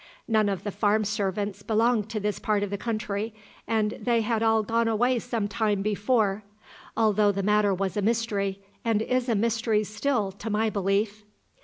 None of the farm servants belonged to this part of the country, and they had all gone away some time before. Altogether the matter was a mystery, and is a mystery still to my belief."